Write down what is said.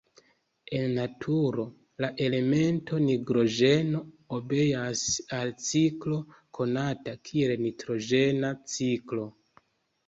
En naturo, la elemento nitrogeno obeas al ciklo konata kiel nitrogena ciklo.